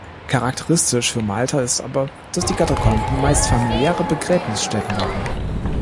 Charakteristisch für Malta ist aber, dass die Katakomben meist familiäre Begräbnisstätten waren.